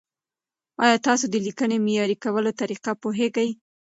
ایا تاسو د لیکنې معیاري کولو طریقه پوهېږئ؟